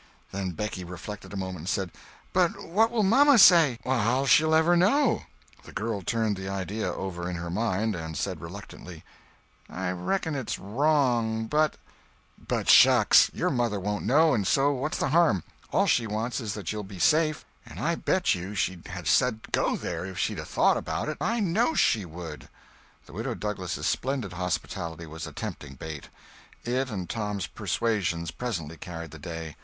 Then Becky reflected a moment and said: "But what will mamma say?" "How'll she ever know?" The girl turned the idea over in her mind, and said reluctantly: "I reckon it's wrong—but—" "But shucks! Your mother won't know, and so what's the harm? All she wants is that you'll be safe; and I bet you she'd 'a' said go there if she'd 'a' thought of it. I know she would!" The Widow Douglas' splendid hospitality was a tempting bait. It and Tom's persuasions presently carried the day.